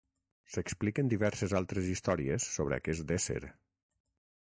S'expliquen diverses altres històries sobre aquest ésser.